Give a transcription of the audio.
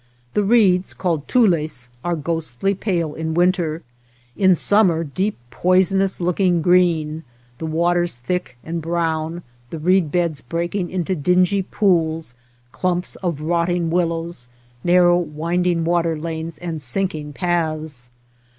The reeds, called tules, are ghostly pale in winter, in summer deep poisonous looking green, the waters thick and brown; the reed beds breaking into dingy pools, clumps of rotting willows, narrow winding water lanes and sinking paths.